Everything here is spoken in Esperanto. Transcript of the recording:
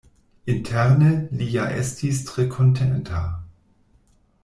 Interne, li ja estis tre kontenta.